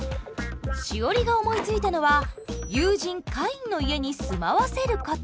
詩織が思いついたのは友人カインの家に住まわせること。